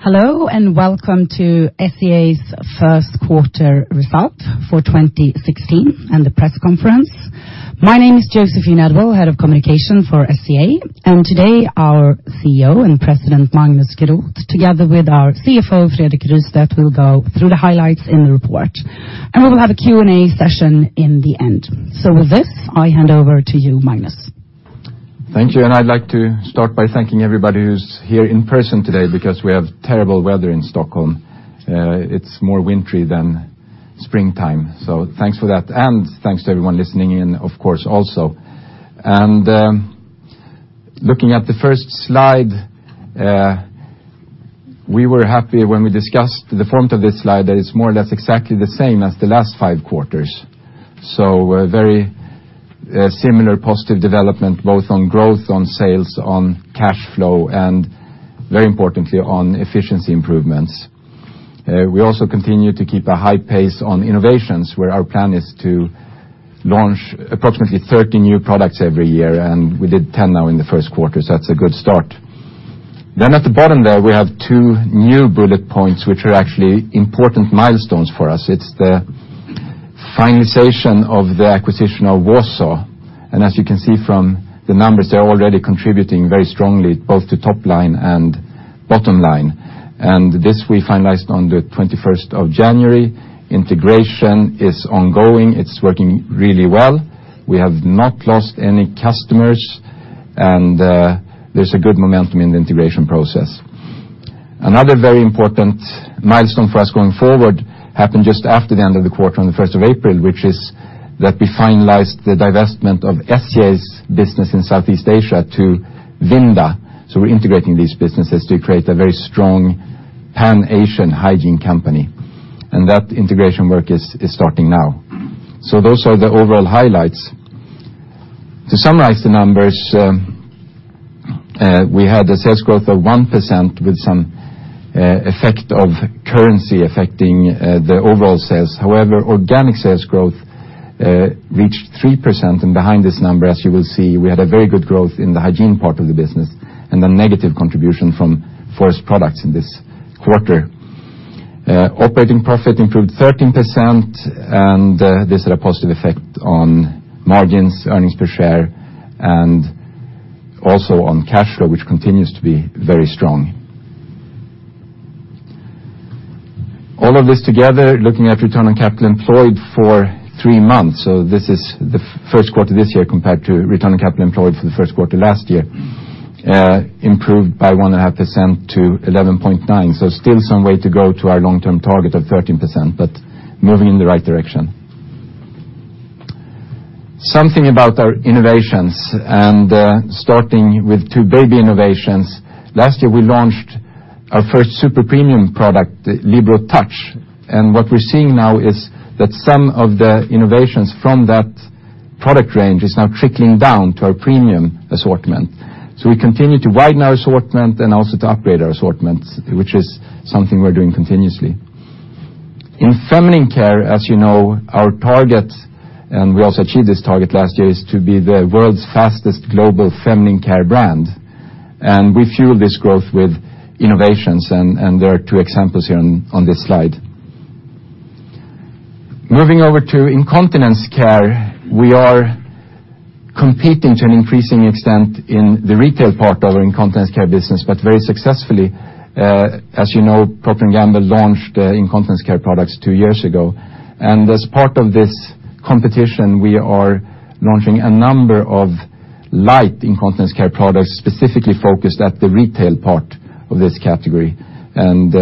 Hello, and welcome to SCA's first quarter result for 2016 and the press conference. My name is Johan Karlsson, Head of Communication for SCA. Today our CEO and President, Magnus Groth, together with our CFO, Fredrik Rystedt, will go through the highlights in the report. We will have a Q&A session in the end. With this, I hand over to you, Magnus. Thank you. I'd like to start by thanking everybody who's here in person today because we have terrible weather in Stockholm. It's more wintry than springtime, so thanks for that, and thanks to everyone listening in, of course, also. Looking at the first slide, we were happy when we discussed the front of this slide that it's more or less exactly the same as the last five quarters. A very similar positive development, both on growth, on sales, on cash flow, and very importantly, on efficiency improvements. We also continue to keep a high pace on innovations, where our plan is to launch approximately 30 new products every year, and we did 10 now in the first quarter, so that's a good start. At the bottom there, we have two new bullet points, which are actually important milestones for us. It's the finalization of the acquisition of Wausau. As you can see from the numbers, they're already contributing very strongly both to top line and bottom line. This we finalized on the 21st of January. Integration is ongoing. It's working really well. We have not lost any customers, and there's a good momentum in the integration process. Another very important milestone for us going forward happened just after the end of the quarter, on the 1st of April, which is that we finalized the divestment of SCA's business in Southeast Asia to Vinda. We're integrating these businesses to create a very strong Pan Asian hygiene company, and that integration work is starting now. Those are the overall highlights. To summarize the numbers, we had a sales growth of 1% with some effect of currency affecting the overall sales. However, organic sales growth reached 3%, and behind this number, as you will see, we had a very good growth in the hygiene part of the business and a negative contribution from forest products in this quarter. Operating profit improved 13%, and this had a positive effect on margins, earnings per share, and also on cash flow, which continues to be very strong. All of this together, looking at return on capital employed for three months, this is the first quarter of this year compared to return on capital employed for the first quarter last year, improved by 1.5% to 11.9%. Still some way to go to our long-term target of 13%, but moving in the right direction. Something about our innovations, starting with two baby innovations. Last year, we launched our first super premium product, the Libero Touch. What we're seeing now is that some of the innovations from that product range is now trickling down to our premium assortment. We continue to widen our assortment and also to upgrade our assortment, which is something we're doing continuously. In feminine care, as you know, our target, and we also achieved this target last year, is to be the world's fastest global feminine care brand. We fuel this growth with innovations, and there are two examples here on this slide. Moving over to incontinence care, we are competing to an increasing extent in the retail part of our incontinence care business, but very successfully. As you know, Procter & Gamble launched incontinence care products two years ago. As part of this competition, we are launching a number of light incontinence care products specifically focused at the retail part of this category, and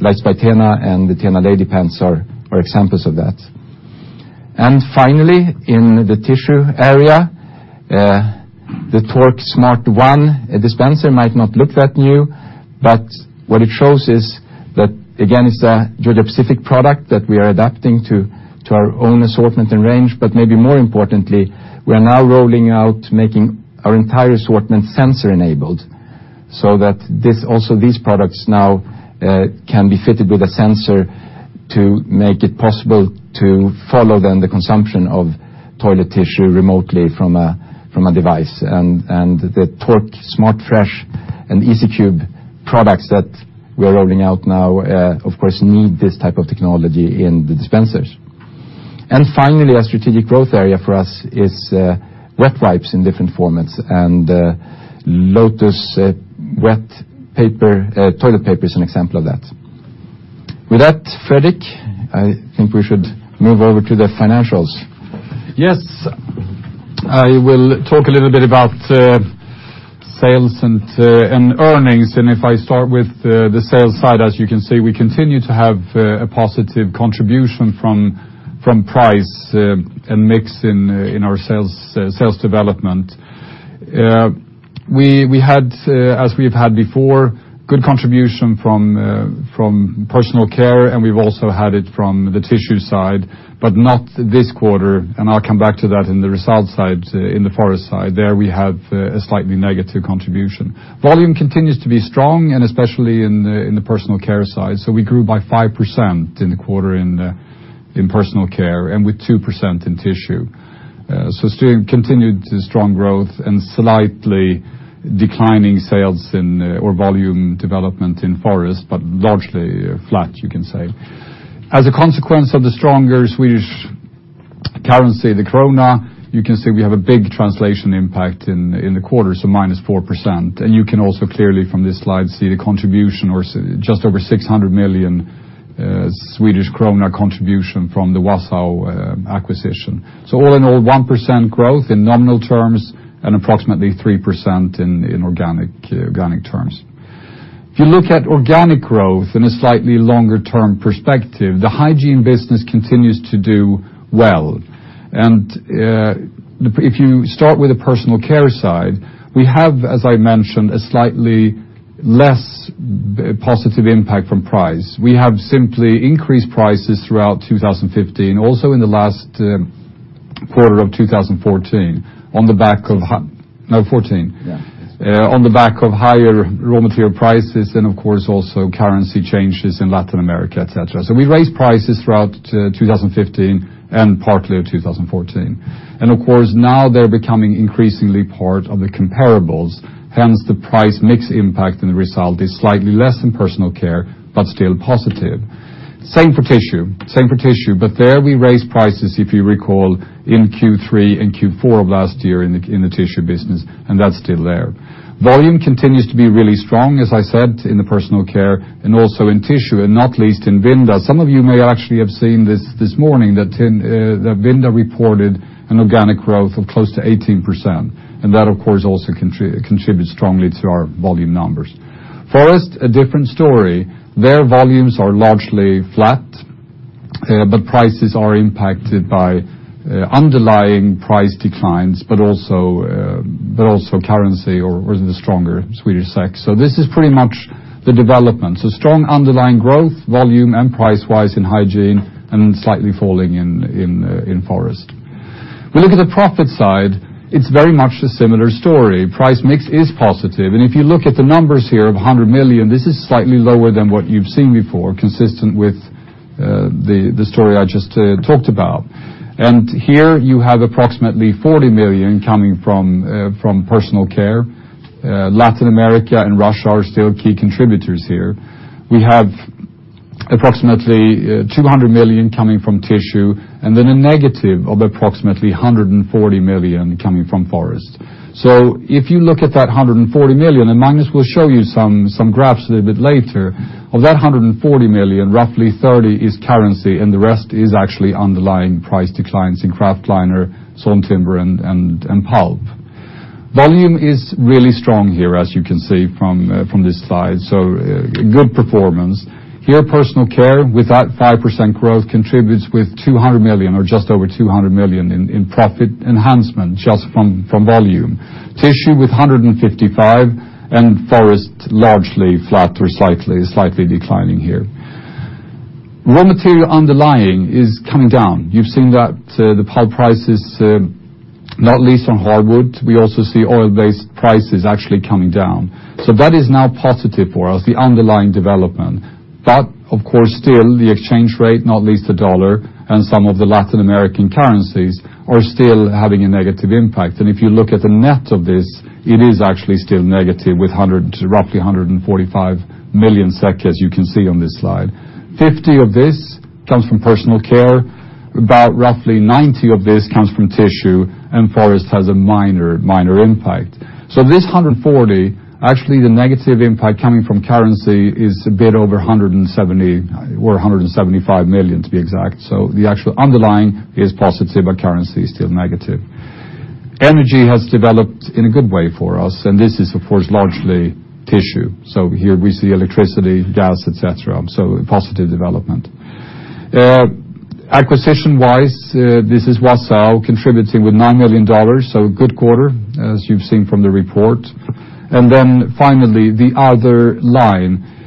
Lights by TENA and the TENA Lady Pants are examples of that. Finally, in the tissue area, the Tork SmartOne dispenser might not look that new, but what it shows is that, again, it's a Georgia-Pacific product that we are adapting to our own assortment and range. Maybe more importantly, we are now rolling out making our entire assortment sensor-enabled, so that also these products now can be fitted with a sensor to make it possible to follow then the consumption of toilet tissue remotely from a device. The Tork SmartFresh and Tork EasyCube products that we're rolling out now, of course, need this type of technology in the dispensers. Finally, a strategic growth area for us is wet wipes in different formats, and Lotus Wet toilet paper is an example of that. With that, Fredrik, I think we should move over to the financials. Yes. I will talk a little bit about sales and earnings. If I start with the sales side, as you can see, we continue to have a positive contribution from price and mix in our sales development. We had, as we've had before, good contribution from personal care, and we've also had it from the tissue side, but not this quarter, and I'll come back to that in the results side, in the forest side. There we have a slightly negative contribution. Volume continues to be strong, especially in the personal care side. We grew by 5% in the quarter in personal care and with 2% in tissue. Continued strong growth and slightly declining sales in, or volume development in forest, but largely flat, you can say. As a consequence of the stronger Swedish currency, the krona, you can see we have a big translation impact in the quarter, minus 4%. You can also clearly from this slide see the contribution, or just over 600 million Swedish kronor contribution from the Wausau acquisition. All in all, 1% growth in nominal terms and approximately 3% in organic terms. If you look at organic growth in a slightly longer term perspective, the hygiene business continues to do well. If you start with the personal care side, we have, as I mentioned, a slightly less positive impact from price. We have simply increased prices throughout 2015, also in the last quarter of 2014, on the back of higher raw material prices and of course also currency changes in Latin America, et cetera. We raised prices throughout 2015 and partly of 2014. Of course, now they're becoming increasingly part of the comparables, hence the price mix impact and the result is slightly less in personal care, but still positive. Same for tissue, but there we raised prices, if you recall, in Q3 and Q4 of last year in the tissue business, and that's still there. Volume continues to be really strong, as I said, in the personal care and also in tissue, and not least in Vinda. Some of you may actually have seen this this morning, that Vinda reported an organic growth of close to 18%. That, of course, also contributes strongly to our volume numbers. Forest, a different story. Their volumes are largely flat, but prices are impacted by underlying price declines, but also currency or the stronger Swedish SEK. This is pretty much the development. Strong underlying growth, volume and price-wise in hygiene and slightly falling in Forest. We look at the profit side, it's very much a similar story. Price mix is positive. If you look at the numbers here of 100 million, this is slightly lower than what you've seen before, consistent with the story I just talked about. Here you have approximately 40 million coming from Personal Care. Latin America and Russia are still key contributors here. We have approximately 200 million coming from tissue and then a negative of approximately 140 million coming from Forest. If you look at that 140 million, and Magnus will show you some graphs a little bit later, of that 140 million, roughly 30 is currency and the rest is actually underlying price declines in kraftliner, sawn timber, and pulp. Volume is really strong here, as you can see from this slide. Good performance. Here, Personal Care with that 5% growth contributes with 200 million or just over 200 million in profit enhancement just from volume. Tissue with 155 and Forest largely flat or slightly declining here. Raw material underlying is coming down. You've seen that the pulp prices, not least on hardwood, we also see oil-based prices actually coming down. That is now positive for us, the underlying development. Of course, still the exchange rate, not least the U.S. dollar and some of the Latin American currencies, are still having a negative impact. If you look at the net of this, it is actually still negative with roughly 145 million SEK, as you can see on this slide. 50 of this comes from Personal Care, about roughly 90 of this comes from Tissue, and Forest has a minor impact. This 140, actually the negative impact coming from currency is a bit over 170 million or 175 million to be exact. The actual underlying is positive, but currency is still negative. Energy has developed in a good way for us, and this is of course largely Tissue. Here we see electricity, gas, et cetera. A positive development. Acquisition-wise, this is Wausau contributing with $9 million. A good quarter, as you've seen from the report. Then finally, the other line.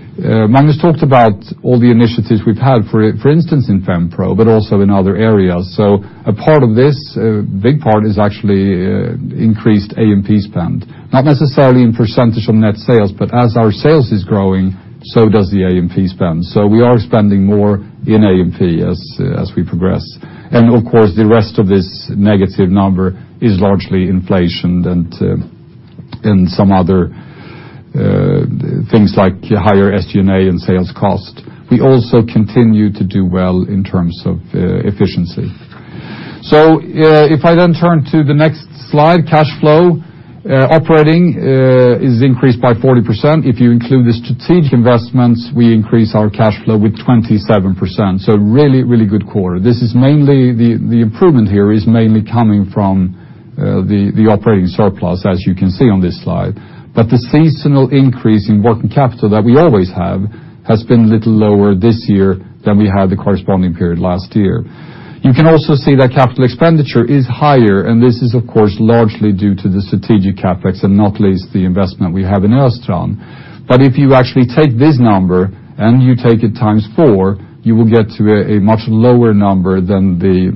Magnus talked about all the initiatives we've had, for instance, in Fempro, but also in other areas. A part of this, a big part is actually increased A&P spend. Not necessarily in percentage of net sales, but as our sales is growing, so does the A&P spend. We are spending more in A&P as we progress. Of course, the rest of this negative number is largely inflation and some other things like higher SG&A and sales cost. We also continue to do well in terms of efficiency. If I then turn to the next slide, cash flow operating is increased by 40%. If you include the strategic investments, we increase our cash flow with 27%. A really good quarter. The improvement here is mainly coming from the operating surplus, as you can see on this slide. The seasonal increase in working capital that we always have has been a little lower this year than we had the corresponding period last year. You can also see that capital expenditure is higher, and this is of course, largely due to the strategic CapEx and not least the investment we have in Östrand. If you actually take this number and you take it times four, you will get to a much lower number than the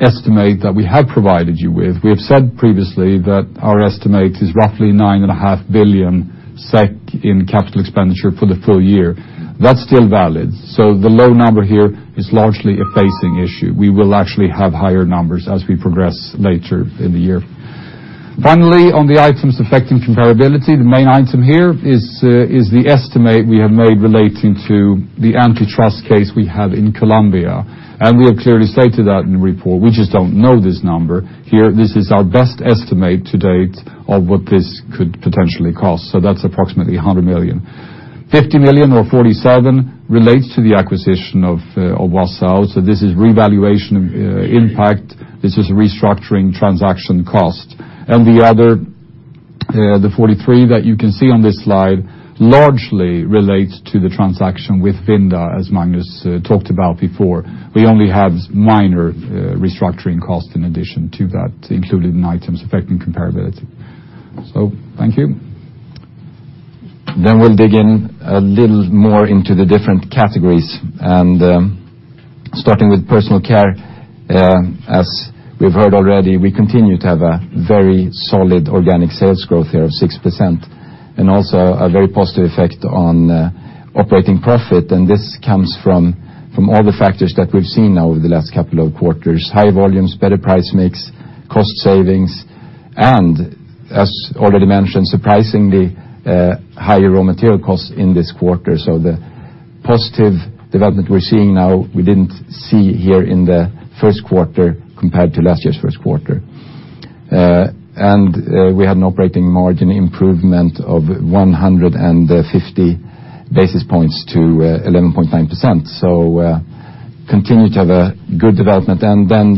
estimate that we have provided you with. We have said previously that our estimate is roughly 9.5 billion SEK in capital expenditure for the full year. That is still valid. The low number here is largely a phasing issue. We will actually have higher numbers as we progress later in the year. Finally, on the items affecting comparability, the main item here is the estimate we have made relating to the antitrust case we have in Colombia, and we have clearly stated that in the report. We just don't know this number here. This is our best estimate to date of what this could potentially cost. That is approximately 100 million. 50 million or 47 relates to the acquisition of Wausau. This is revaluation impact. This is restructuring transaction cost. The other, 43 that you can see on this slide, largely relates to the transaction with Vinda, as Magnus talked about before. We only have minor restructuring costs in addition to that included in items affecting comparability. Thank you. We'll dig in a little more into the different categories, starting with personal care. As we've heard already, we continue to have a very solid organic sales growth here of 6% and also a very positive effect on operating profit. This comes from all the factors that we've seen now over the last couple of quarters. High volumes, better price mix, cost savings, and as already mentioned, surprisingly, higher raw material costs in this quarter. The positive development we're seeing now, we didn't see here in the first quarter compared to last year's first quarter. We had an operating margin improvement of 150 basis points to 11.9%. Continue to have a good development,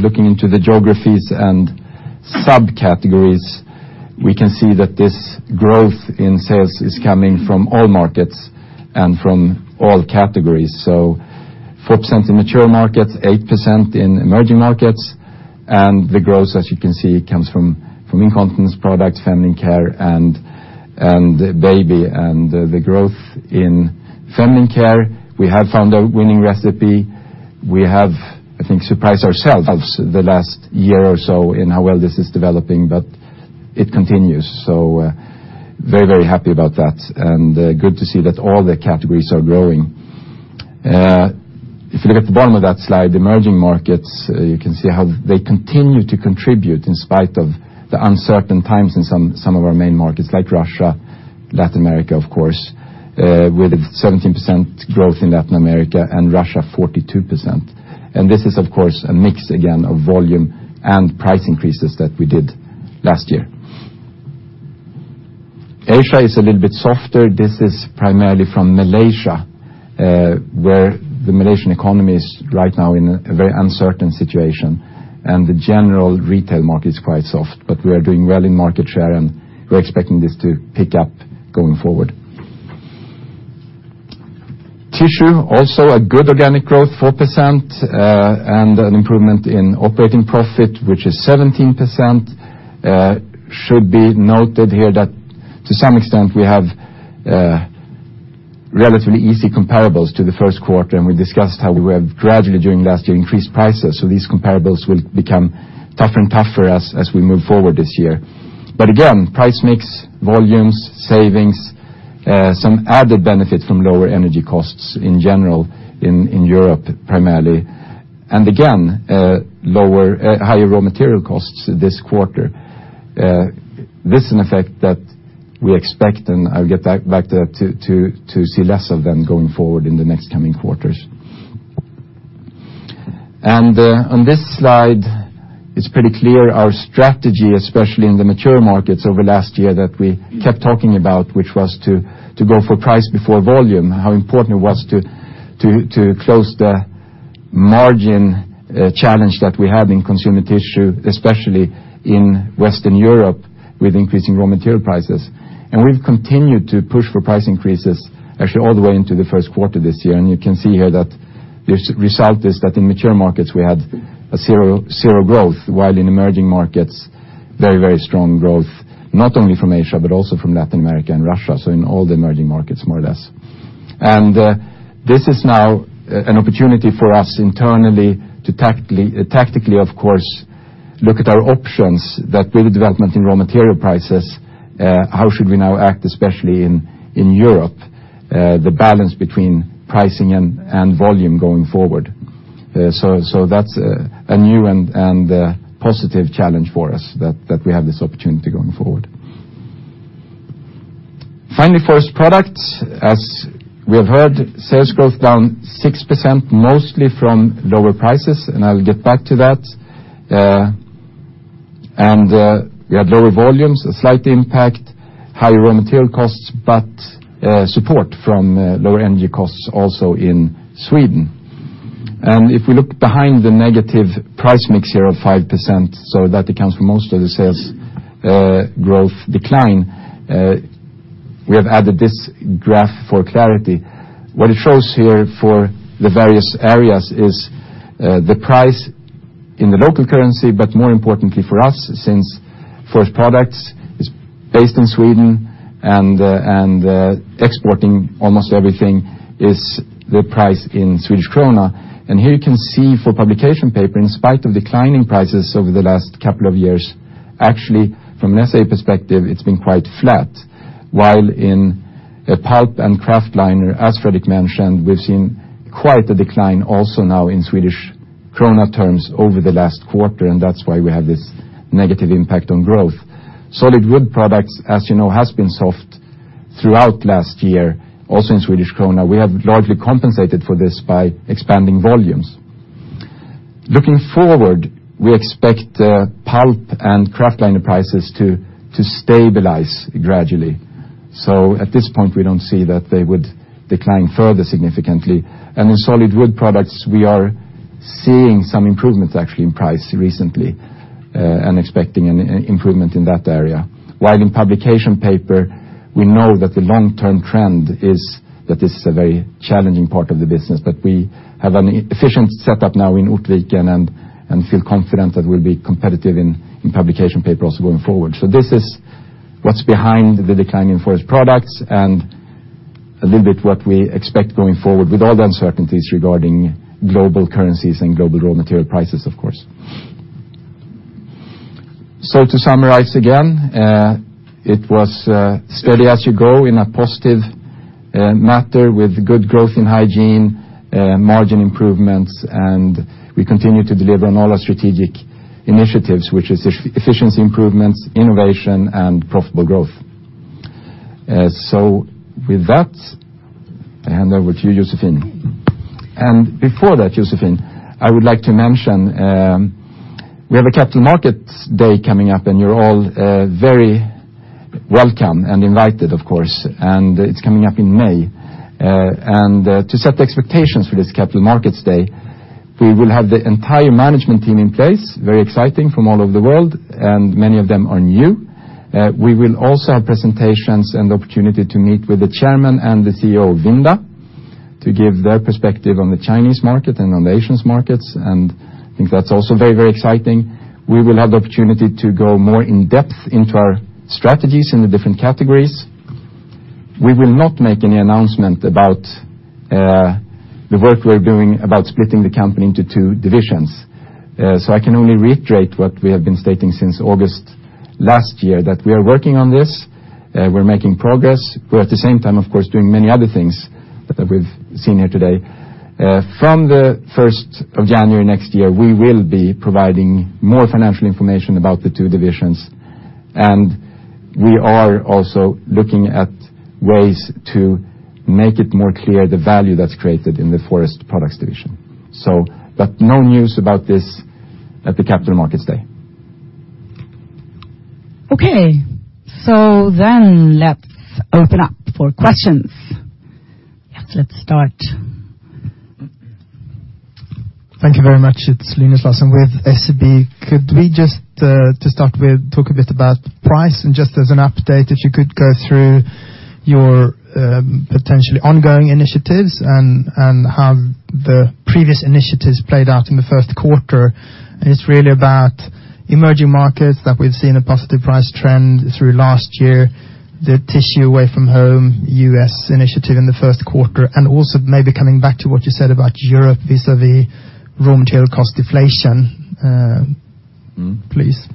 looking into the geographies and subcategories, we can see that this growth in sales is coming from all markets and from all categories. 4% in mature markets, 8% in emerging markets. The growth, as you can see, comes from incontinence products, feminine care, and baby. The growth in feminine care, we have found a winning recipe. We have, I think, surprised ourselves the last year or so in how well this is developing, but it continues. Very happy about that and good to see that all the categories are growing. If you look at the bottom of that slide, emerging markets, you can see how they continue to contribute in spite of the uncertain times in some of our main markets like Russia, Latin America, of course, with 17% growth in Latin America and Russia 42%. This is, of course, a mix again of volume and price increases that we did last year. Asia is a little bit softer. This is primarily from Malaysia, where the Malaysian economy is right now in a very uncertain situation, and the general retail market is quite soft. We are doing well in market share, and we're expecting this to pick up going forward. Tissue, also a good organic growth, 4%, and an improvement in operating profit, which is 17%. Should be noted here that to some extent we have relatively easy comparables to the first quarter, and we discussed how we have gradually during last year increased prices. These comparables will become tougher and tougher as we move forward this year. Again, price mix, volumes, savings, some added benefit from lower energy costs in general in Europe primarily. Again, higher raw material costs this quarter. This an effect that we expect, and I'll get back there to see less of them going forward in the next coming quarters. On this slide, it's pretty clear our strategy, especially in the mature markets over last year that we kept talking about, which was to go for price before volume. How important it was to close the margin challenge that we had in consumer tissue, especially in Western Europe with increasing raw material prices. We've continued to push for price increases, actually all the way into the first quarter this year. You can see here that this result is that in mature markets we had a zero growth, while in emerging markets, very strong growth, not only from Asia, but also from Latin America and Russia. In all the emerging markets, more or less. This is now an opportunity for us internally to tactically, of course, look at our options that with the development in raw material prices, how should we now act, especially in Europe, the balance between pricing and volume going forward. That's a new and positive challenge for us that we have this opportunity going forward. Finally, forest products. As we have heard, sales growth down 6%, mostly from lower prices, and I'll get back to that. We had lower volumes, a slight impact, higher raw material costs, but support from lower energy costs also in Sweden. If we look behind the negative price mix here of 5%, that accounts for most of the sales growth decline. We have added this graph for clarity. What it shows here for the various areas is the price in the local currency, but more importantly for us, since forest products is based in Sweden and exporting almost everything is the price in Swedish krona. Here you can see for publication paper, in spite of declining prices over the last couple of years, actually, from an SCA perspective, it's been quite flat. While in pulp and kraftliner, as Fredrik mentioned, we've seen quite a decline also now in Swedish krona terms over the last quarter. That's why we have this negative impact on growth. Solid wood products, as you know, has been soft throughout last year, also in Swedish krona. We have largely compensated for this by expanding volumes. Looking forward, we expect pulp and kraftliner prices to stabilize gradually. At this point, we don't see that they would decline further significantly. In solid wood products, we are seeing some improvements actually in price recently, expecting an improvement in that area. While in publication paper, we know that the long-term trend is that this is a very challenging part of the business, but we have an efficient setup now in Ortviken and feel confident that we'll be competitive in publication paper also going forward. This is what's behind the decline in forest products and a little bit what we expect going forward with all the uncertainties regarding global currencies and global raw material prices, of course. To summarize again, it was steady as you go in a positive matter with good growth in hygiene, margin improvements, and we continue to deliver on all our strategic initiatives, which is efficiency improvements, innovation, and profitable growth. With that, I hand over to you, Johan. Before that, Johan, I would like to mention, we have a Capital Markets Day coming up. You're all very welcome and invited, of course. It's coming up in May. To set the expectations for this capital markets day, we will have the entire management team in place, very exciting from all over the world, and many of them are new. We will also have presentations and opportunity to meet with the chairman and the CEO of Vinda to give their perspective on the Chinese market and on the Asian markets. I think that's also very, very exciting. We will have the opportunity to go more in depth into our strategies in the different categories. We will not make any announcement about the work we're doing about splitting the company into two divisions. I can only reiterate what we have been stating since August last year, that we are working on this. We are making progress. We are at the same time, of course, doing many other things that we have seen here today. From the 1st of January next year, we will be providing more financial information about the two divisions, and we are also looking at ways to make it more clear the value that is created in the Forest Products division. No news about this at the capital markets day. Let's open up for questions. Let's start. Thank you very much. It is Linus Larsson with SEB. Could we just to start with, talk a bit about price and just as an update, if you could go through your potentially ongoing initiatives and how the previous initiatives played out in the first quarter? It is really about emerging markets that we have seen a positive price trend through last year, the tissue away from home U.S. initiative in the first quarter, and also maybe coming back to what you said about Europe vis-à-vis raw material cost deflation, please.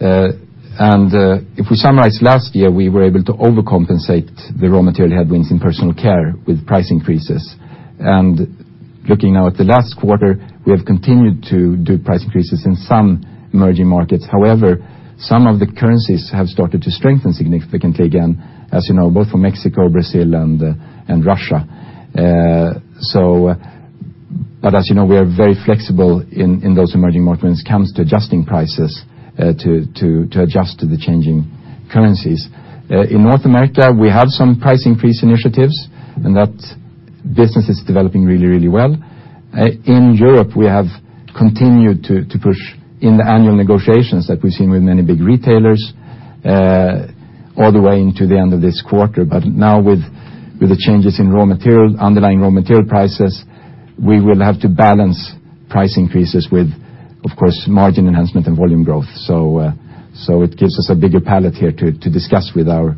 If we summarize last year, we were able to overcompensate the raw material headwinds in personal care with price increases. Looking now at the last quarter, we have continued to do price increases in some emerging markets. However, some of the currencies have started to strengthen significantly again, as you know, both for Mexico, Brazil, and Russia. As you know, we are very flexible in those emerging markets when it comes to adjusting prices to adjust to the changing currencies. In North America, we have some price increase initiatives, and that business is developing really, really well. In Europe, we have continued to push in the annual negotiations that we have seen with many big retailers all the way into the end of this quarter. Now with the changes in underlying raw material prices, we will have to balance price increases with, of course, margin enhancement and volume growth. It gives us a bigger palette here to discuss with our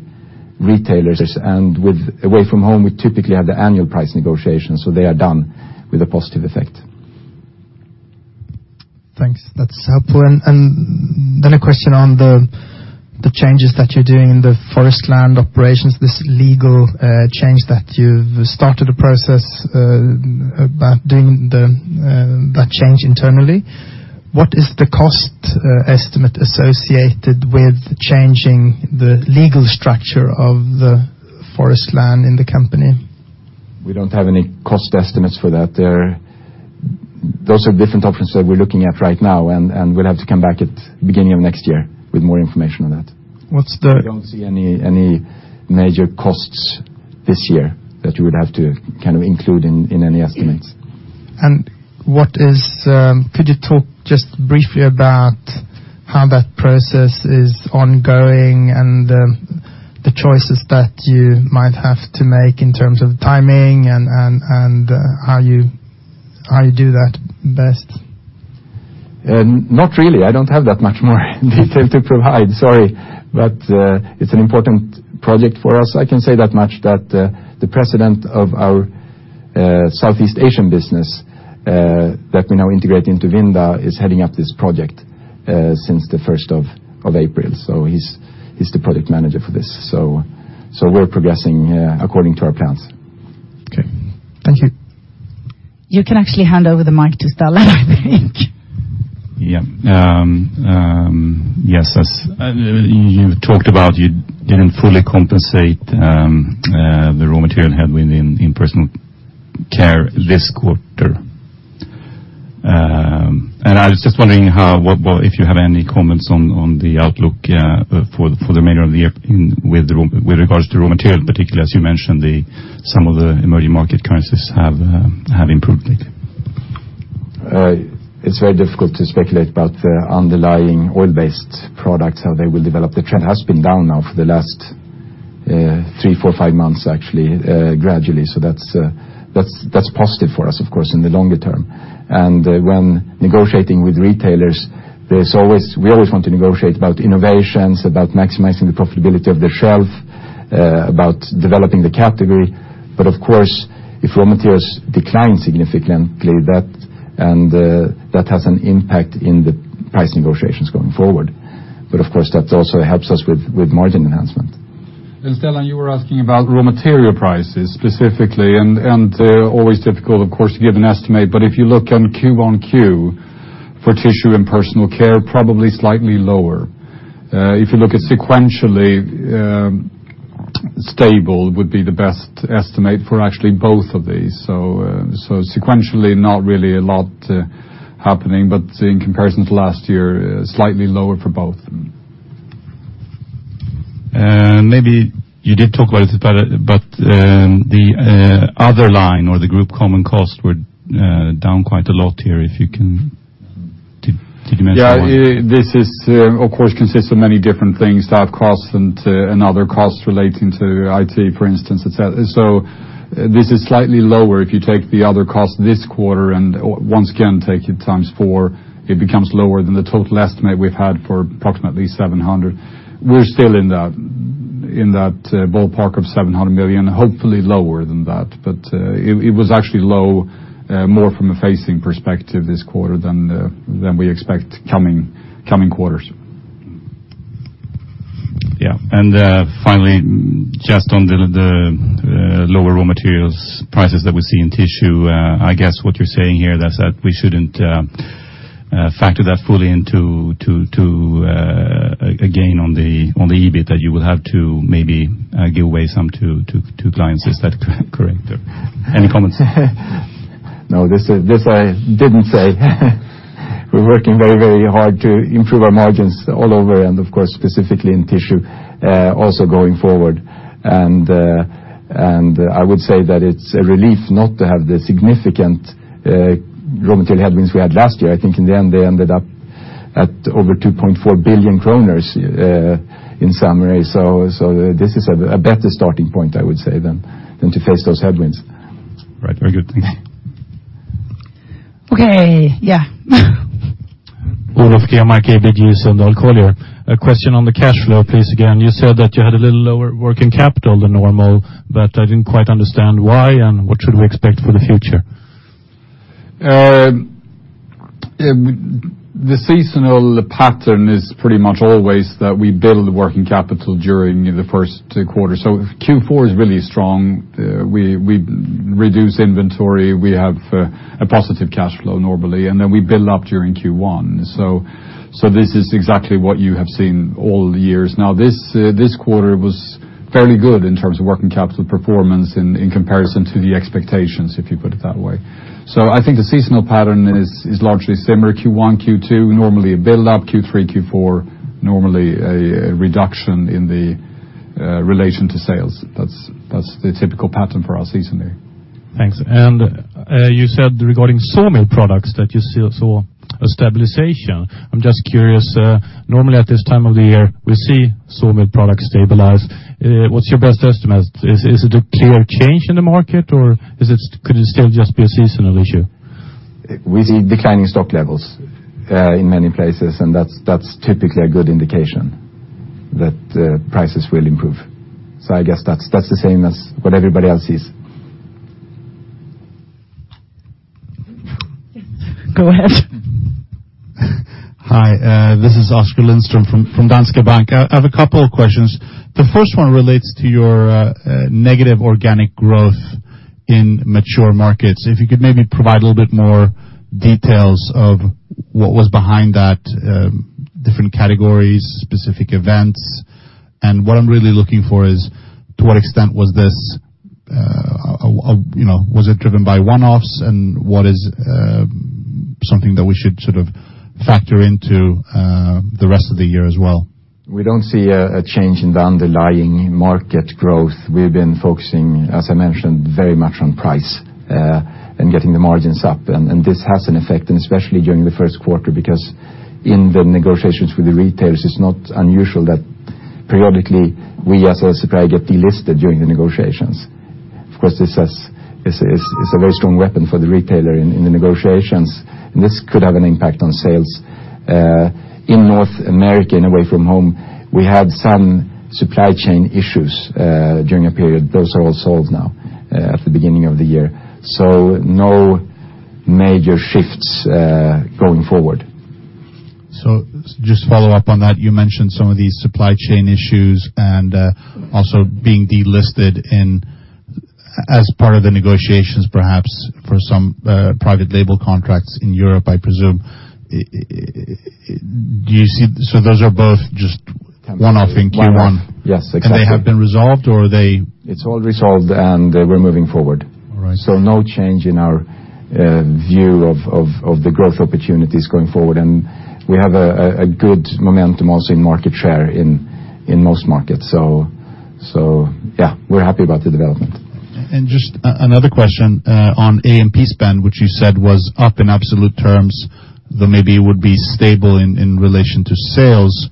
retailers, and with away from home, we typically have the annual price negotiation, so they are done with a positive effect. Thanks. That's helpful. Then a question on the changes that you're doing in the forest land operations, this legal change that you've started a process about doing that change internally. What is the cost estimate associated with changing the legal structure of the forest land in the company? We don't have any cost estimates for that. Those are different options that we're looking at right now, and we'll have to come back at beginning of next year with more information on that. What's the- We don't see any major costs this year that you would have to include in any estimates. Could you talk just briefly about how that process is ongoing and the choices that you might have to make in terms of timing and how you do that best? Not really. I don't have that much more detail to provide, sorry. It's an important project for us. I can say that much that the president of our Southeast Asian business, that we now integrate into Vinda, is heading up this project since the 1st of April. He's the project manager for this. We're progressing according to our plans. Okay. Thank you. You can actually hand over the mic to Stellan, I think. Yeah. You talked about you didn't fully compensate the raw material headwind within Personal Care this quarter. I was just wondering if you have any comments on the outlook for the remainder of the year with regards to raw material, particularly as you mentioned some of the emerging market currencies have improved lately. It's very difficult to speculate about the underlying oil-based products, how they will develop. The trend has been down now for the last three, four, five months actually, gradually. That's positive for us, of course, in the longer term. When negotiating with retailers, we always want to negotiate about innovations, about maximizing the profitability of the shelf, about developing the category. Of course, if raw materials decline significantly, that has an impact in the price negotiations going forward. Of course, that also helps us with margin enhancement. Stellan, you were asking about raw material prices specifically, and always difficult, of course, to give an estimate. If you look on Q-on-Q for Tissue and Personal Care, probably slightly lower. If you look at sequentially, stable would be the best estimate for actually both of these. Sequentially, not really a lot happening, but in comparison to last year, slightly lower for both. Maybe you did talk about it, but the other line or the group common cost were down quite a lot here, if you can, did you mention why? Yeah. This, of course, consists of many different things, staff costs and other costs relating to IT, for instance, et cetera. This is slightly lower. If you take the other cost this quarter and once again, take it times four, it becomes lower than the total estimate we've had for approximately 700. We're still in that ballpark of 700 million, hopefully lower than that. It was actually low more from a phasing perspective this quarter than we expect coming quarters. Yeah. Finally, just on the lower raw materials prices that we see in Tissue, I guess what you're saying here is that we shouldn't factor that fully into a gain on the EBIT that you will have to maybe give away some to clients. Is that correct? Any comments? No, this I didn't say. We're working very hard to improve our margins all over and, of course, specifically in Tissue, also going forward. I would say that it's a relief not to have the significant raw material headwinds we had last year. I think in the end, they ended up at over 2.4 billion kronor in summary. This is a better starting point, I would say, than to face those headwinds. Right. Very good, thank you. Okay. Yeah. Olof A question on the cash flow, please, again. You said that you had a little lower working capital than normal, but I did not quite understand why. What should we expect for the future? The seasonal pattern is pretty much always that we build working capital during the first quarter. If Q4 is really strong, we reduce inventory, we have a positive cash flow normally, and then we build up during Q1. This is exactly what you have seen all the years now. This quarter was fairly good in terms of working capital performance in comparison to the expectations, if you put it that way. I think the seasonal pattern is largely similar. Q1, Q2, normally a build-up. Q3, Q4, normally a reduction in the relation to sales. That's the typical pattern for our seasonality. Thanks. You said regarding sawmill products that you still saw a stabilization. I am just curious, normally at this time of the year, we see sawmill products stabilize. What is your best estimate? Is it a clear change in the market, or could it still just be a seasonal issue? We see declining stock levels in many places, that's typically a good indication that prices will improve. I guess that's the same as what everybody else sees. Go ahead. Hi. This is Oskar Lindström from Danske Bank. I have a couple of questions. The first one relates to your negative organic growth in mature markets. If you could maybe provide a little bit more details of what was behind that, different categories, specific events. What I'm really looking for is, to what extent was it driven by one-offs, and what is something that we should factor into the rest of the year as well? We don't see a change in the underlying market growth. We've been focusing, as I mentioned, very much on price and getting the margins up, this has an effect, especially during the first quarter, because in the negotiations with the retailers, it's not unusual that periodically we as a supplier get delisted during the negotiations. Of course, this is a very strong weapon for the retailer in the negotiations, this could have an impact on sales. In North America and Away-from-Home, we had some supply chain issues during a period. Those are all solved now at the beginning of the year. No major shifts going forward. Just follow up on that, you mentioned some of these supply chain issues and also being delisted as part of the negotiations, perhaps for some private label contracts in Europe, I presume. Those are both just one-off in Q1? Yes, exactly. Have they been resolved? It's all resolved and we're moving forward. All right. No change in our view of the growth opportunities going forward. We have a good momentum also in market share in most markets. Yeah, we're happy about the development. Just another question on A&P spend, which you said was up in absolute terms, though maybe it would be stable in relation to sales.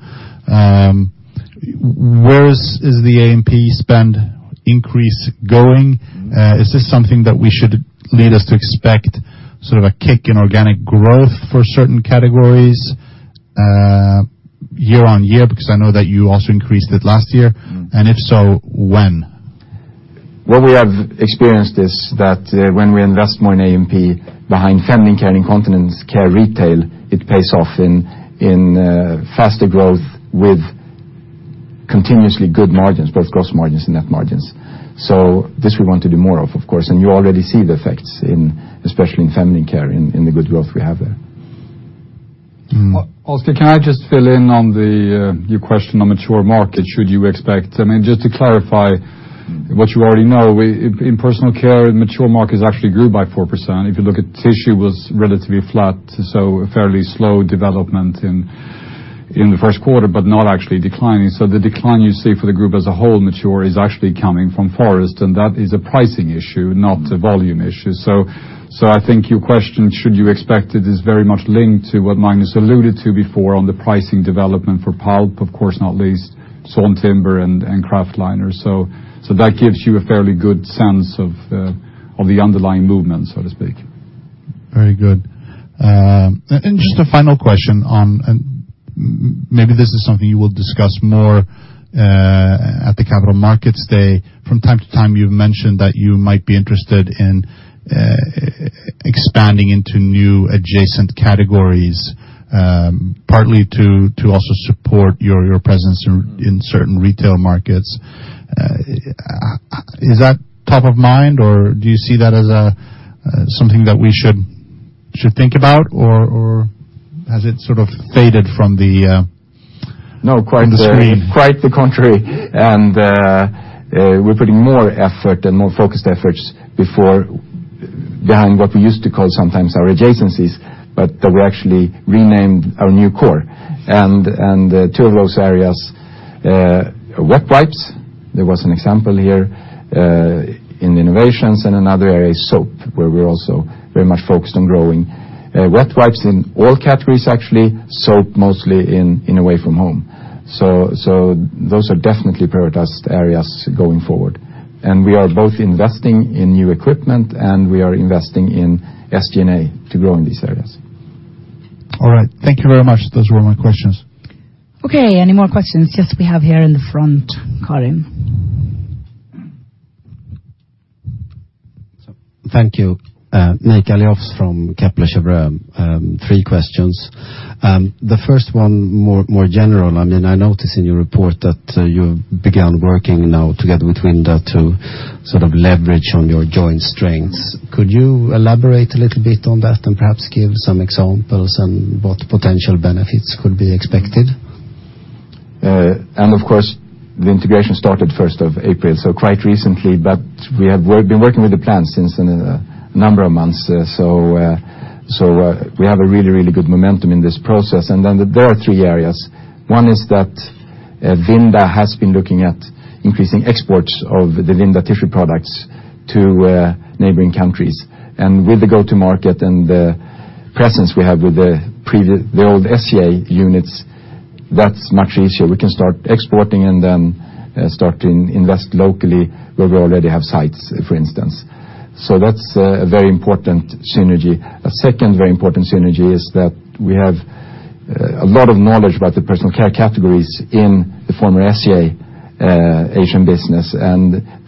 Where is the A&P spend increase going? Is this something that we should lead us to expect sort of a kick in organic growth for certain categories year-on-year? I know that you also increased it last year. If so, when? What we have experienced is that when we invest more in A&P behind feminine care, incontinence care, retail, it pays off in faster growth with continuously good margins, both gross margins and net margins. This we want to do more of course, and you already see the effects, especially in feminine care, in the good growth we have there. Oskar, can I just fill in on your question on mature markets, should you expect? I mean, just to clarify what you already know, in personal care, mature markets actually grew by 4%. If you look at tissue, was relatively flat, a fairly slow development in the first quarter, but not actually declining. The decline you see for the group as a whole, mature, is actually coming from forest, and that is a pricing issue, not a volume issue. I think your question, should you expect it, is very much linked to what Magnus alluded to before on the pricing development for pulp, of course, not least sawn timber and kraftliner. That gives you a fairly good sense of the underlying movement, so to speak. Very good. Just a final question on, and maybe this is something you will discuss more at the Capital Markets day. From time to time, you've mentioned that you might be interested in expanding into new adjacent categories, partly to also support your presence in certain retail markets. Is that top of mind, or do you see that as something that we should think about, or has it sort of faded from the- No from the screen? Quite the contrary, we're putting more effort and more focused efforts behind what we used to call sometimes our adjacencies, but that we actually renamed our new core. Two of those areas are wet wipes. There was an example here in innovations, and another area is soap, where we're also very much focused on growing wet wipes in all categories, actually, soap mostly in away from home. Those are definitely prioritized areas going forward. We are both investing in new equipment, and we are investing in SG&A to grow in these areas. All right. Thank you very much. Those were all my questions. Okay, any more questions? Yes, we have here in the front, Karim. Thank you. Nick Aliofs from Kepler Cheuvreux. Three questions. The first one more general. I noticed in your report that you began working now together with Vinda to sort of leverage on your joint strengths. Could you elaborate a little bit on that and perhaps give some examples on what potential benefits could be expected? Of course, the integration started 1st of April, quite recently, but we have been working with the plan since a number of months. We have a really good momentum in this process. There are three areas. One is that Vinda has been looking at increasing exports of the Vinda tissue products to neighboring countries. With the go-to-market and the presence we have with the old SCA units, that's much easier. We can start exporting and then start to invest locally where we already have sites, for instance. That's a very important synergy. A second very important synergy is that we have a lot of knowledge about the personal care categories in the former SCA Asian business.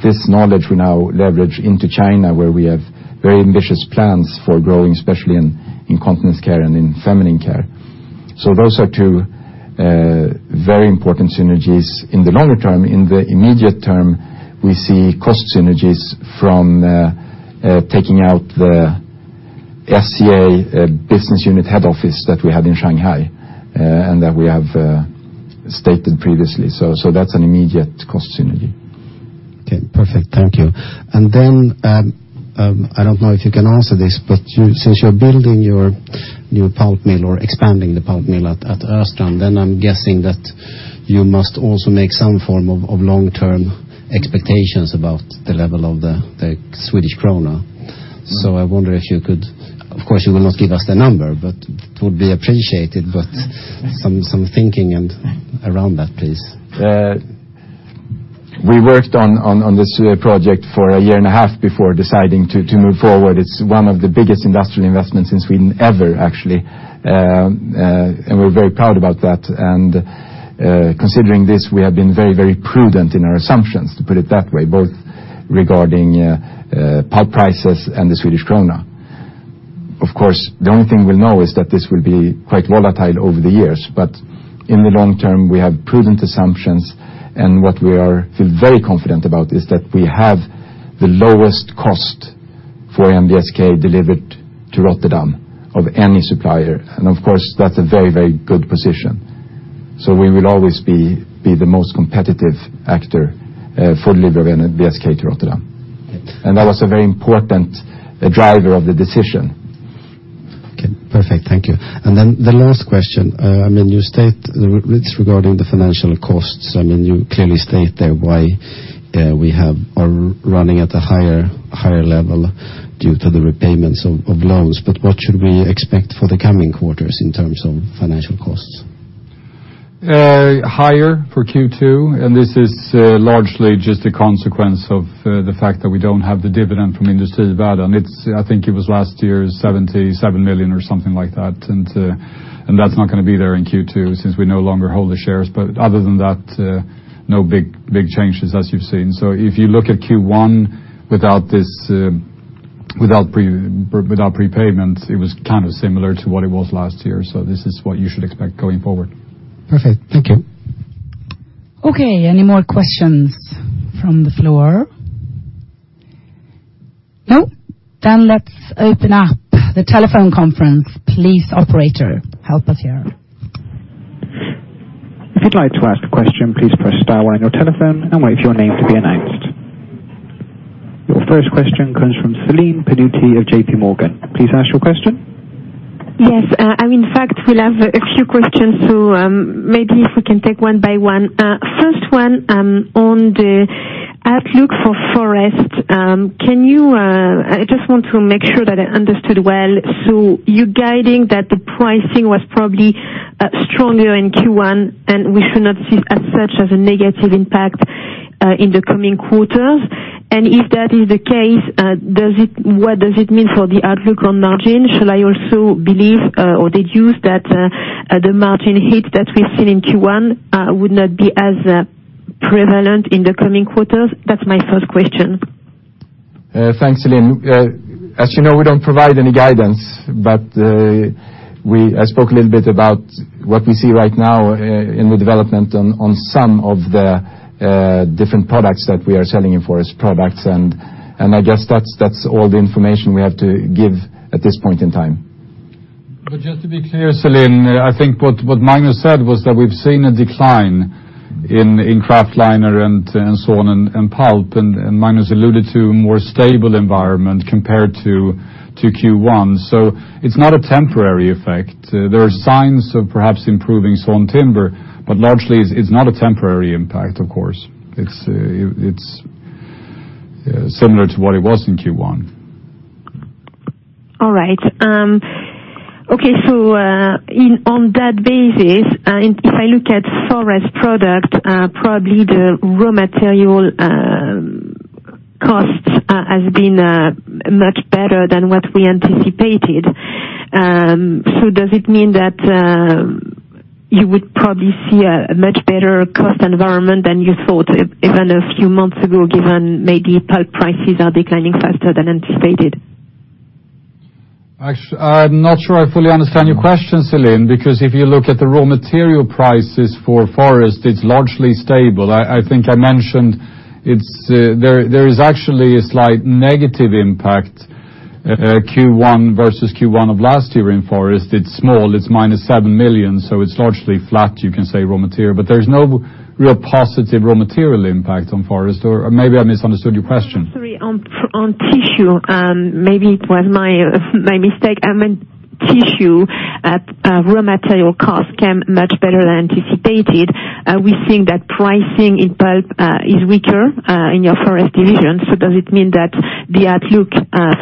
This knowledge we now leverage into China, where we have very ambitious plans for growing, especially in incontinence care and in feminine care. Those are two very important synergies in the longer term. In the immediate term, we see cost synergies from taking out the SCA business unit head office that we had in Shanghai, that we have stated previously. That's an immediate cost synergy. Okay, perfect. Thank you. I don't know if you can answer this, but since you're building your new pulp mill or expanding the pulp mill at Östrand, I'm guessing that you must also make some form of long-term expectations about the level of the Swedish krona. I wonder if you could, of course, you will not give us the number, but it would be appreciated, but some thinking around that, please. We worked on this project for a year and a half before deciding to move forward. It's one of the biggest industrial investments in Sweden ever, actually, and we're very proud about that. Considering this, we have been very prudent in our assumptions, to put it that way, both regarding pulp prices and the Swedish krona. Of course, the only thing we know is that this will be quite volatile over the years, but in the long term, we have prudent assumptions, and what we feel very confident about is that we have the lowest cost for NBSK delivered to Rotterdam of any supplier. Of course, that's a very good position. We will always be the most competitive actor for delivery of an NBSK to Rotterdam. That was a very important driver of the decision. Okay, perfect. Thank you. The last question, it's regarding the financial costs. You clearly state there why we are running at a higher level due to the repayments of loans, what should we expect for the coming quarters in terms of financial costs? Higher for Q2. This is largely just a consequence of the fact that we don't have the dividend from Industrivärden. I think it was last year, 77 million or something like that. That's not going to be there in Q2 since we no longer hold the shares. Other than that, no big changes as you've seen. If you look at Q1 without prepayments, it was kind of similar to what it was last year. This is what you should expect going forward. Perfect. Thank you. Okay. Any more questions from the floor? No? Let's open up the telephone conference, please, operator, help us here. If you'd like to ask a question, please press star one on your telephone and wait for your name to be announced. Your first question comes from Celine Pannuti of JP Morgan. Please ask your question. Yes. In fact, we'll have a few questions, maybe if we can take one by one. First one on the outlook for forest. I just want to make sure that I understood well. You're guiding that the pricing was probably stronger in Q1, and we should not see as such as a negative impact in the coming quarters. If that is the case, what does it mean for the outlook on margin? Shall I also believe or deduce that the margin hit that we've seen in Q1 would not be as prevalent in the coming quarters? That's my first question. Thanks, Celine. As you know, we don't provide any guidance, but I spoke a little bit about what we see right now in the development on some of the different products that we are selling in forest products, and I guess that's all the information we have to give at this point in time. Just to be clear, Celine, I think what Magnus said was that we've seen a decline in kraftliner and sawn and pulp, and Magnus alluded to a more stable environment compared to Q1. It's not a temporary effect. There are signs of perhaps improving sawn timber, largely it's not a temporary impact, of course. It's similar to what it was in Q1. All right. Okay, on that basis, if I look at forest product, probably the raw material cost has been much better than what we anticipated. Does it mean that you would probably see a much better cost environment than you thought even a few months ago, given maybe pulp prices are declining faster than anticipated? I'm not sure I fully understand your question, Celine, because if you look at the raw material prices for forest, it's largely stable. I think I mentioned there is actually a slight negative impact Q1 versus Q1 of last year in forest. It's small. It's minus 7 million, it's largely flat, you can say, raw material, there's no real positive raw material impact on forest. Maybe I misunderstood your question. Sorry, on tissue. Maybe it was my mistake. I meant tissue at raw material cost came much better than anticipated. We're seeing that pricing in pulp is weaker in your forest division. Does it mean that the outlook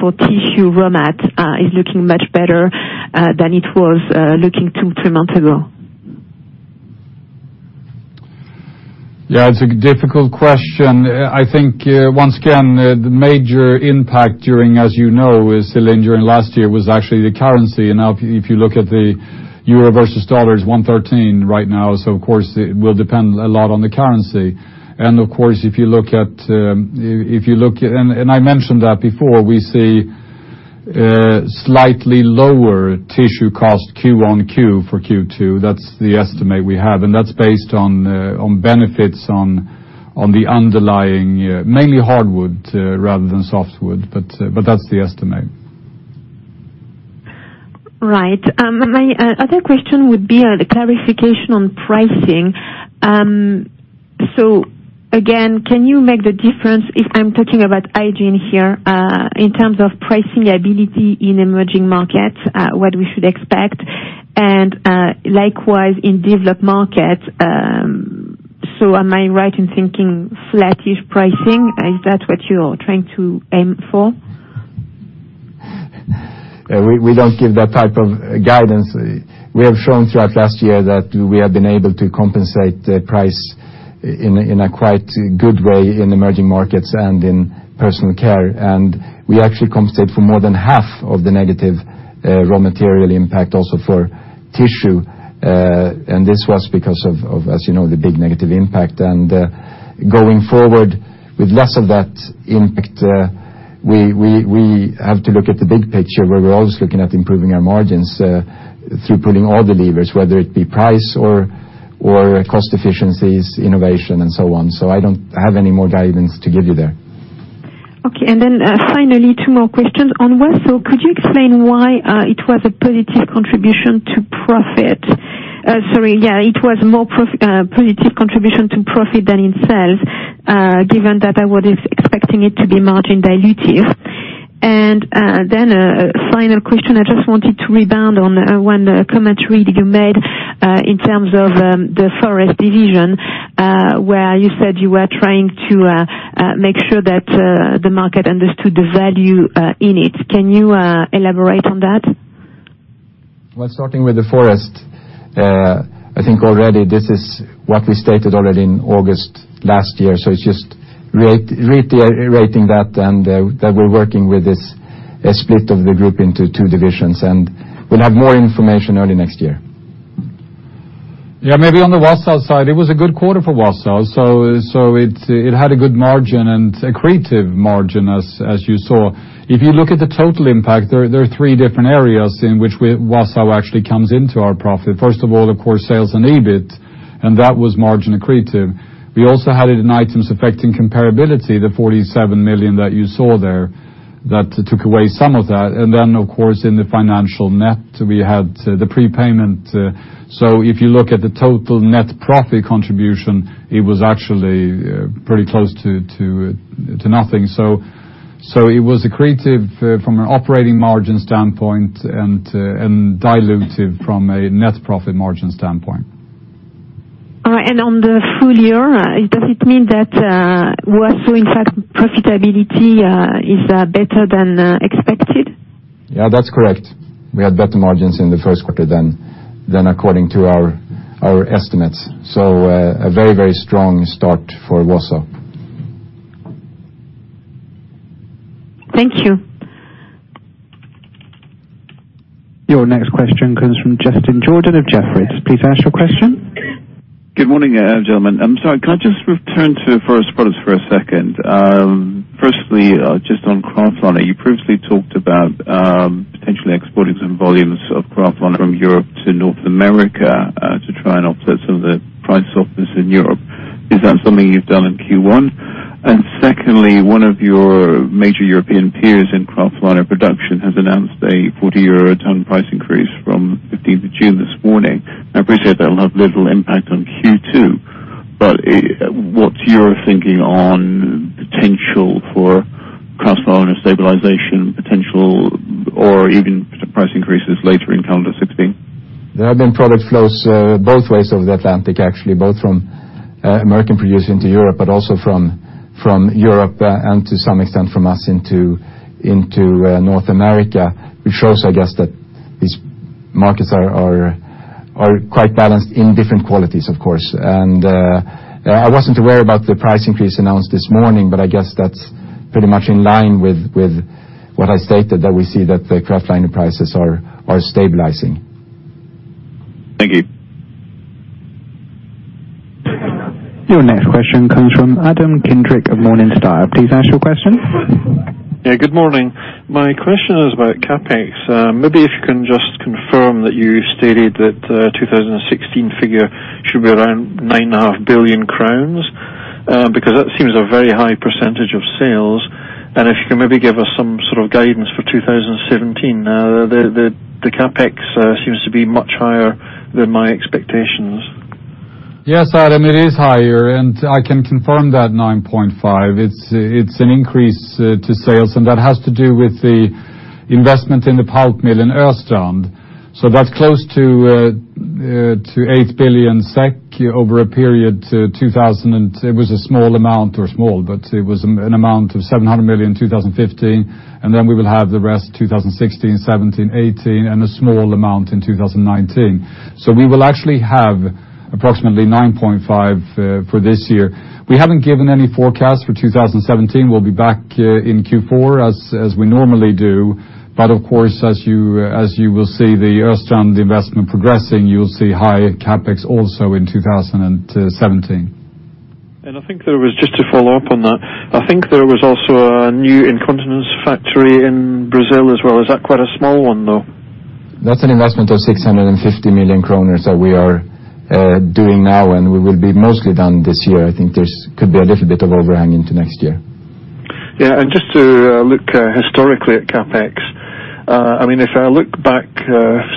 for tissue raw mat is looking much better than it was looking two, three months ago? Yeah, it's a difficult question. I think, once again, the major impact during, as you know, Celine, during last year was actually the currency. Now if you look at the euro versus dollar, it's 113 right now, so of course it will depend a lot on the currency. Of course, I mentioned that before, we see slightly lower tissue cost Q on Q for Q2. That's the estimate we have, and that's based on benefits on the underlying mainly hardwood rather than softwood, but that's the estimate. Right. My other question would be the clarification on pricing. Again, can you make the difference, if I'm talking about hygiene here, in terms of pricing ability in emerging markets, what we should expect, and likewise in developed markets. Am I right in thinking flattish pricing? Is that what you're trying to aim for? We don't give that type of guidance. We have shown throughout last year that we have been able to compensate price in a quite good way in emerging markets and in personal care, and we actually compensate for more than half of the negative raw material impact also for tissue, and this was because of, as you know, the big negative impact. Going forward with less of that impact, we have to look at the big picture where we're always looking at improving our margins through pulling all the levers, whether it be price or cost efficiencies, innovation, and so on. I don't have any more guidance to give you there. Okay, finally, two more questions. On Wausau, could you explain why it was a positive contribution to profit? Sorry. Yeah, it was more positive contribution to profit than in sales, given that I was expecting it to be margin dilutive. A final question, I just wanted to rebound on one commentary that you made, in terms of the forest division, where you said you were trying to make sure that the market understood the value in it. Can you elaborate on that? Well, starting with the forest, I think already this is what we stated already in August last year, it is just reiterating that and that we are working with this split of the group into two divisions, and we will have more information early next year. Yeah, maybe on the Wausau side, it was a good quarter for Wausau, it had a good margin and accretive margin as you saw. If you look at the total impact, there are three different areas in which Wausau actually comes into our profit. First of all, of course, sales and EBIT, that was margin accretive. We also had it in items affecting comparability, the 47 million that you saw there, that took away some of that. Of course, in the financial net, we had the prepayment. If you look at the total net profit contribution, it was actually pretty close to nothing. It was accretive from an operating margin standpoint and dilutive from a net profit margin standpoint. All right. On the full year, does it mean that Wausau impact profitability is better than expected? Yeah, that is correct. We had better margins in the first quarter than according to our estimates. A very strong start for Wausau. Thank you. Your next question comes from Justin Jordan of Jefferies. Please ask your question. Good morning, gentlemen. I'm sorry, can I just return to Forest Products for a second? Firstly, just on kraftliner, you previously talked about potentially exporting some volumes of kraftliner from Europe to North America, to try and offset some of the price softness in Europe. Is that something you've done in Q1? Secondly, one of your major European peers in kraftliner production has announced a 40-euro ton price increase from 15th of June this morning. I appreciate that'll have little impact on Q2, but what's your thinking on potential for kraftliner stabilization potential or even price increases later in calendar 2016? There have been product flows both ways of the Atlantic actually, both from American producer into Europe, but also from Europe and to some extent from us into North America, which shows, I guess, that these markets are quite balanced in different qualities of course. I wasn't aware about the price increase announced this morning, but I guess that's pretty much in line with what I stated, that we see that the kraftliner prices are stabilizing. Thank you. Your next question comes from Adam Kendrick of Morningstar. Please ask your question. Good morning. My question is about CapEx. If you can just confirm that you stated that 2016 figure should be around 9.5 billion crowns, because that seems a very high percentage of sales. If you can maybe give us some sort of guidance for 2017. The CapEx seems to be much higher than my expectations. Yes, Adam, it is higher. I can confirm that 9.5 billion. It is an increase to sales, and that has to do with the investment in the pulp mill in Östrand. That is close to 8 billion SEK over a period to 2000, and it was a small amount, or small, but it was an amount of 700 million in 2015, then we will have the rest, 2016, 2017, 2018, and a small amount in 2019. We will actually have approximately 9.5 billion for this year. We have not given any forecast for 2017. We will be back in Q4 as we normally do. Of course, as you will see the Östrand investment progressing, you will see high CapEx also in 2017. I think there was, just to follow up on that, I think there was also a new incontinence factory in Brazil as well. Is that quite a small one, though? That's an investment of 650 million kronor that we are doing now, and we will be mostly done this year. I think there could be a little bit of overhang into next year. Just to look historically at CapEx, if I look back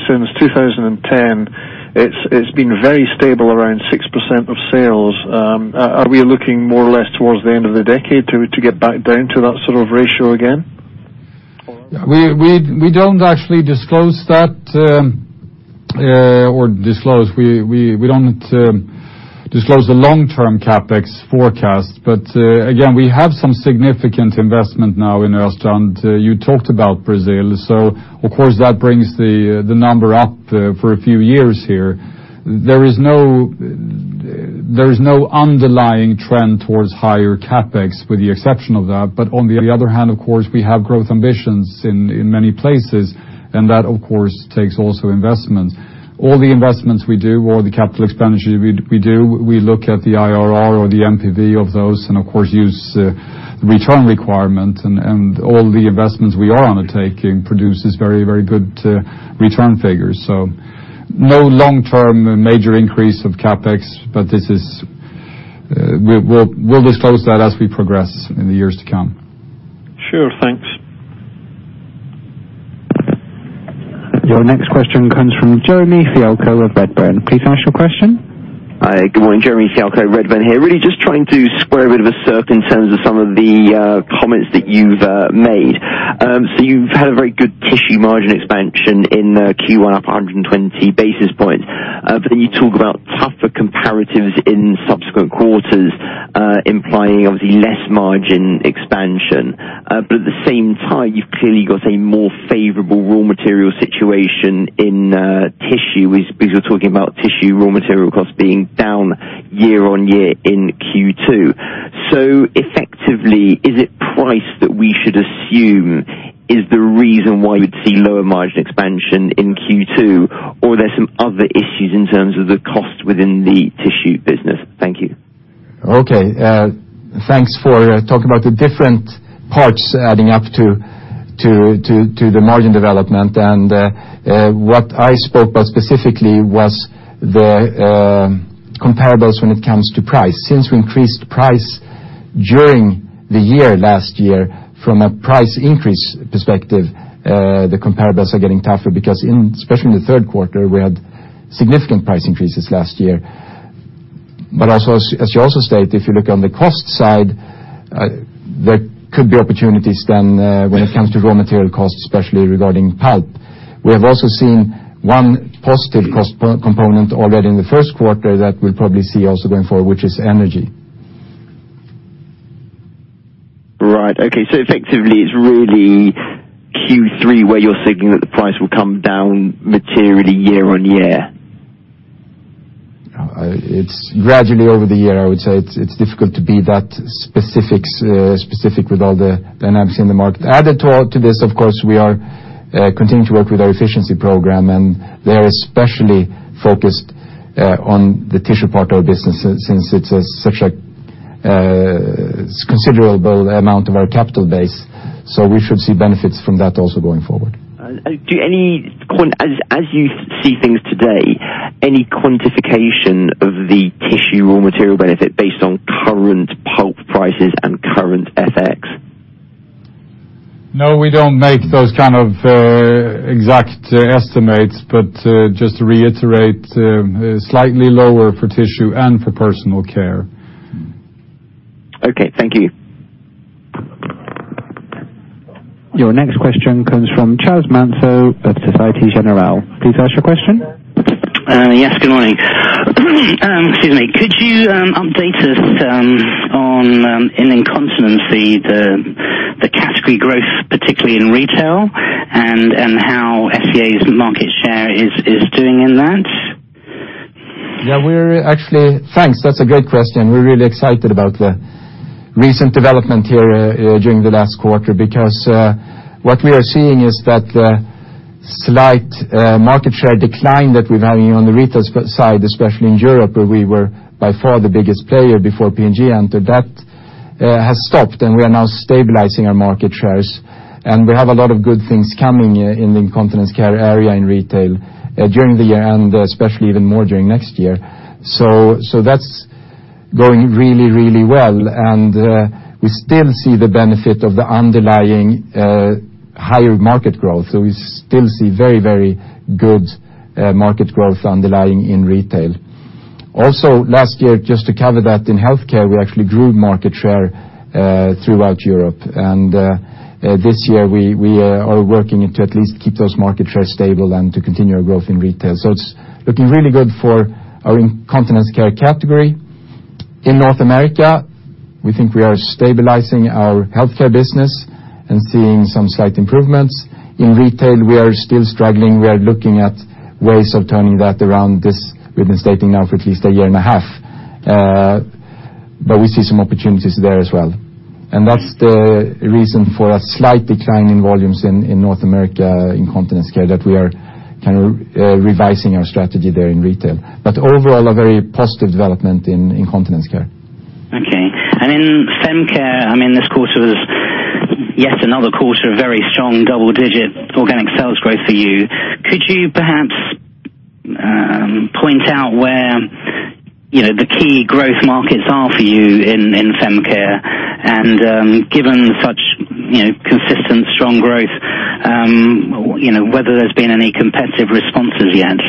since 2010, it's been very stable, around 6% of sales. Are we looking more or less towards the end of the decade to get back down to that sort of ratio again? We don't actually disclose that. We don't disclose the long-term CapEx forecast. Again, we have some significant investment now in Östrand. You talked about Brazil, so of course, that brings the number up for a few years here. There is no underlying trend towards higher CapEx with the exception of that. On the other hand, of course, we have growth ambitions in many places, and that of course takes also investments. All the investments we do, or the capital expenditure we do, we look at the IRR or the NPV of those and of course use return requirement and all the investments we are undertaking produces very good return figures. No long-term major increase of CapEx, but we'll disclose that as we progress in the years to come. Sure. Thanks. Your next question comes from Jeremy Fialko of Redburn. Please ask your question. Hi, good morning. Jeremy Fialko, Redburn here. Really just trying to square a bit of a circle in terms of some of the comments that you've made. You've had a very good tissue margin expansion in Q1 up 120 basis points. You talk about tougher comparatives in subsequent quarters, implying obviously less margin expansion. At the same time, you've clearly got a more favorable raw material situation in tissue, because you're talking about tissue raw material costs being down year-on-year in Q2. Effectively, is it price that we should assume is the reason why we'd see lower margin expansion in Q2? Or are there some other issues in terms of the cost within the tissue business? Thank you. Okay. Thanks for talking about the different parts adding up to the margin development. What I spoke about specifically was the comparables when it comes to price. Since we increased price during the year last year from a price increase perspective, the comparables are getting tougher because especially in the third quarter, we had significant price increases last year. As you also state, if you look on the cost side, there could be opportunities then when it comes to raw material costs, especially regarding pulp. We have also seen one positive cost component already in the first quarter that we'll probably see also going forward, which is energy. Right. Okay. Effectively it's really Q3 where you're signaling that the price will come down materially year-on-year? It's gradually over the year, I would say. It's difficult to be that specific with all the dynamics in the market. Added to all this, of course, we are continuing to work with our efficiency program, and they are especially focused on the tissue part of our business since it's such a considerable amount of our capital base. We should see benefits from that also going forward. As you see things today, any quantification of the tissue raw material benefit based on current pulp prices and current FX? No, we don't make those kind of exact estimates. Just to reiterate, slightly lower for tissue and for personal care. Okay. Thank you. Your next question comes from Charles Mansson of Societe Generale. Please ask your question. Yes, good morning. Excuse me. Could you update us on, in incontinence, the category growth, particularly in retail and how SCA's market share is doing in that? Actually, thanks. That's a great question. We're really excited about the recent development here during the last quarter because what we are seeing is that the slight market share decline that we've had on the retail side, especially in Europe, where we were by far the biggest player before P&G entered, that has stopped and we are now stabilizing our market shares. We have a lot of good things coming in the incontinence care area in retail during the year and especially even more during next year. That's going really well. We still see the benefit of the underlying higher market growth. We still see very good market growth underlying in retail. Also, last year, just to cover that, in healthcare, we actually grew market share throughout Europe. This year we are working to at least keep those market shares stable and to continue our growth in retail. It's looking really good for our incontinence care category. In North America, we think we are stabilizing our healthcare business and seeing some slight improvements. In retail, we are still struggling. We are looking at ways of turning that around this, we've been stating now for at least a year and a half. We see some opportunities there as well. That's the reason for a slight decline in volumes in North America incontinence care, that we are kind of revising our strategy there in retail. Overall, a very positive development in incontinence care. Okay. In fem care, this quarter was yet another quarter of very strong double-digit organic sales growth for you. Could you perhaps point out where the key growth markets are for you in fem care? Given such consistent strong growth, whether there's been any competitive responses yet?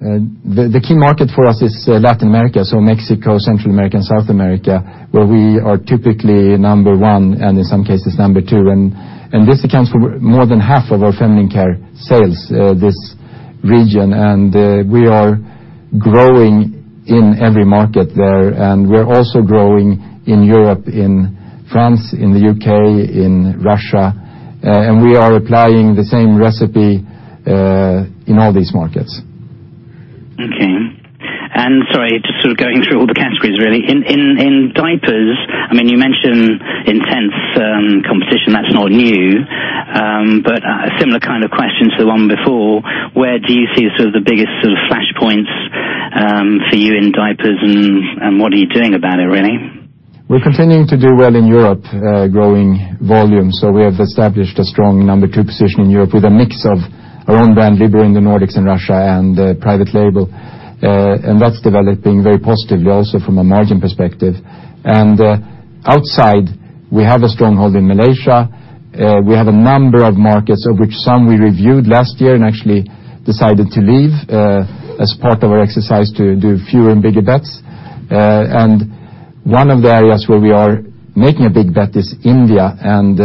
The key market for us is Latin America, so Mexico, Central America, and South America, where we are typically number one and in some cases number two. This accounts for more than half of our feminine care sales, this region. We are growing in every market there. We're also growing in Europe, in France, in the U.K., in Russia. We are applying the same recipe in all these markets. Okay. Sorry, just going through all the categories, really. In diapers, you mentioned intense competition. That's not new, a similar kind of question to the one before. Where do you see the biggest flashpoints for you in diapers, and what are you doing about it, really? We're continuing to do well in Europe, growing volume. We have established a strong number 2 position in Europe with a mix of our own brand, Libero in the Nordics and Russia, and private label. That's developing very positively also from a margin perspective. Outside, we have a stronghold in Malaysia. We have a number of markets of which some we reviewed last year and actually decided to leave as part of our exercise to do fewer and bigger bets. One of the areas where we are making a big bet is India, and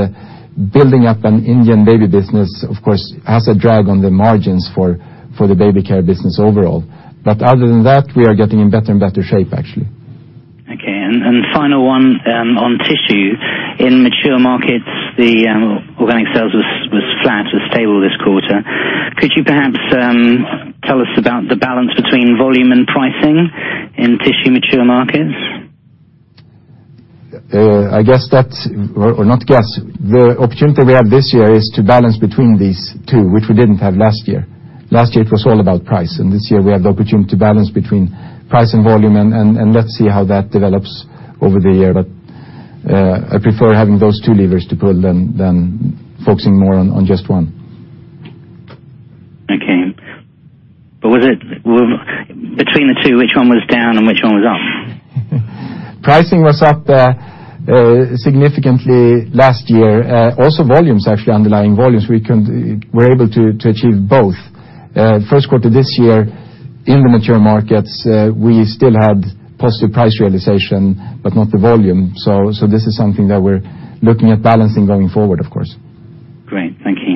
building up an Indian baby business, of course, has a drag on the margins for the baby care business overall. Other than that, we are getting in better and better shape, actually. Okay, final one on tissue. In mature markets, the organic sales was flat, was stable this quarter. Could you perhaps tell us about the balance between volume and pricing in tissue mature markets? The opportunity we have this year is to balance between these two, which we didn't have last year. Last year, it was all about price, this year we have the opportunity to balance between price and volume, let's see how that develops over the year. I prefer having those two levers to pull than focusing more on just one. Okay. Between the two, which one was down and which one was up? Pricing was up significantly last year. Also volumes, actually underlying volumes, we were able to achieve both. First quarter this year in the mature markets, we still had positive price realization, but not the volume. This is something that we're looking at balancing going forward, of course. Great. Thank you.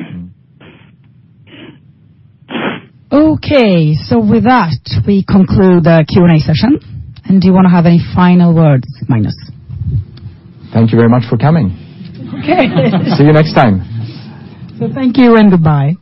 Okay, with that, we conclude the Q&A session. Do you want to have any final words, Magnus? Thank you very much for coming. Okay. See you next time. Thank you and goodbye.